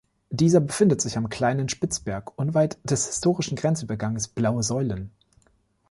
Dieser befindet sich am kleinen Spitzberg unweit des historischen Grenzübergangs Blaue Säulen.